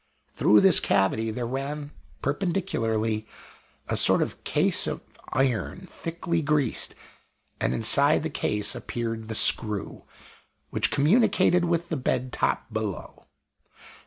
Through this cavity there ran perpendicularly a sort of case of iron thickly greased; and inside the case appeared the screw, which communicated with the bed top below.